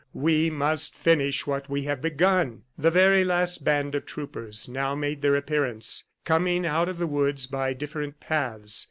... "We must finish what we have begun!" The very last band of troopers now made their appearance, coming out of the woods by different paths.